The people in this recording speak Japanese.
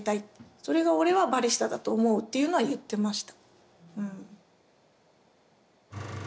それが俺はバリスタだと思うっていうのは言ってました。